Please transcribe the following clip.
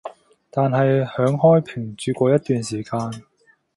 但係響開平住過一段時間